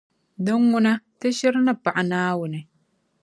Din ŋuna, ti shiri ni paɣi Naawuni